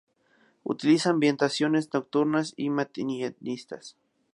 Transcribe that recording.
Utiliza ambientaciones nocturnas y manieristas.